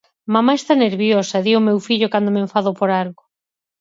"Mamá está nerviosa...", di o meu fillo cando me enfado por algo.